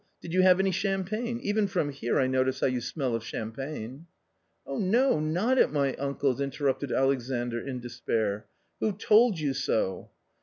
Did you have any champagne ? Even from here I notice how you smell of champagne." "Oh no, not at my uncled," interrupted Alexandr in despair. " Who told you so